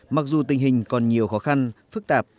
mặc dù tình hình còn nhiều khó khăn phức tạp